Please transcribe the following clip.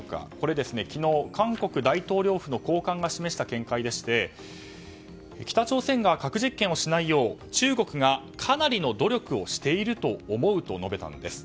韓国大統領府の高官が示した見解で北朝鮮が核実験をしないよう中国がかなりの努力をしていると思うと述べたんです。